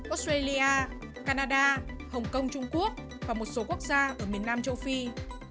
australia canada hồng kông trung quốc và một số quốc gia ở miền nam châu phi